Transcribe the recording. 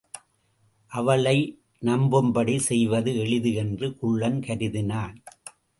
அவளை நம்பும்படி செய்வது எளிது என்று குள்ளன் கருதினான்.